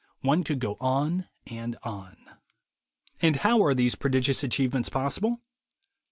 One could go on and on. And how are these prodigious achievements possible?